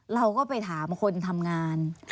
เราก็ไปถามคนทำงาน